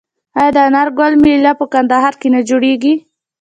آیا د انار ګل میله په کندهار کې نه جوړیږي؟